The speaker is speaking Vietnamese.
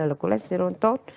là cholesterol tốt